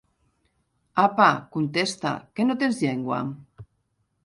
Apa, contesta: que no tens llengua?